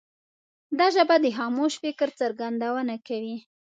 دا ژبه د خاموش فکر څرګندونه کوي.